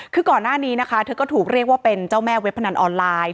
คือก่อนหน้านี้นะคะเธอก็ถูกเรียกว่าเป็นเจ้าแม่เว็บพนันออนไลน์